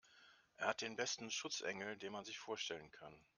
Er hat den besten Schutzengel, den man sich vorstellen kann.